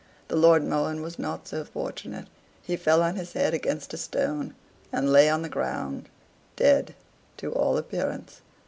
The Lord Mohun was not so fortunate; he fell on his head against a stone, and lay on the ground, dead to all appearance.